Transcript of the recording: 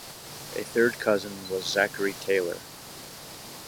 A third cousin was Zachary Taylor.